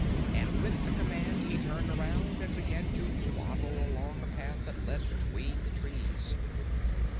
And with the command he turned around and began to waddle along a path that led between the trees.